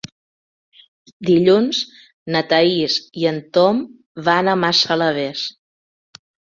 Dilluns na Thaís i en Tom van a Massalavés.